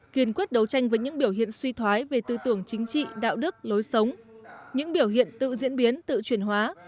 kiên quyết đấu tranh với những biểu hiện suy thoái về tư tưởng chính trị đạo đức lối sống những biểu hiện tự diễn biến tự truyền hóa